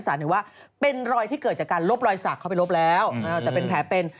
เห็นว่าเป็นรอยที่เกิดจากการลบรอยสักเข้าไปลบแล้วแต่เป็นแผลเป็น